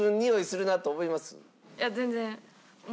いや全然。